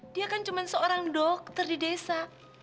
dia kan cuma seorang dokter di desa